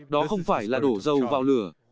đó không phải là đổ dầu vào lửa